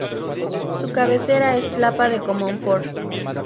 Su cabecera es Tlapa de Comonfort.